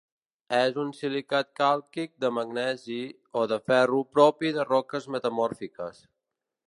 És un silicat càlcic de magnesi o de ferro propi de roques metamòrfiques.